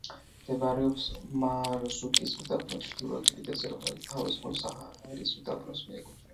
მდებარეობს მარზუკის უდაბნოს ჩრდილოეთ კიდეზე, რომელიც თავის მხრივ საჰარის უდაბნოს მიეკუთვნება.